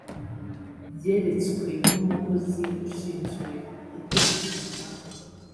yeretswe n’umukozi ushinzwe gukurikirana